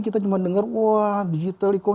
kita cuma dengar wah digital e commerce